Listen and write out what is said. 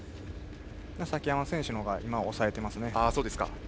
崎山選手の方が今、押さえていますね。